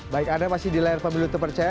baik anda masih di layar pemilu terpercaya